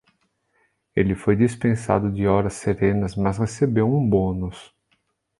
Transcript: Ele foi dispensado de horas serenas, mas recebeu um bônus.